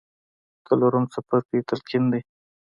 څلورم څپرکی تلقين دی.